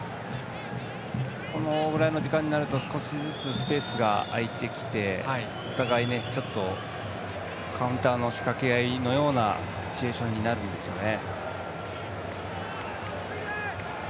このぐらいの時間になると少しずつスペースが空いてきてお互いちょっとカウンターの仕掛け合いのようなシチュエーションになるんですよね。